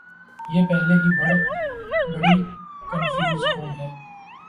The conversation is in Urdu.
یہ پہلے ہی بڑی کنفیوز قوم ہے۔